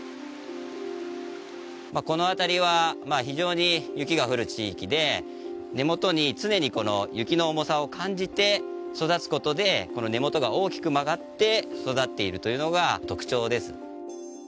この辺りは非常に雪が降る地域で根元に常にこの雪の重さを感じて育つことでこの根元が大きく曲がって育っているというのが特徴です